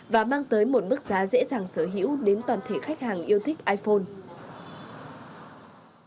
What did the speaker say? và mang tới một mức giá dễ dàng sở hữu đến toàn thể khách hàng yêu thích iphone